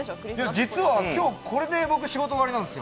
実は僕、今日、これで仕事終わりなんですよ。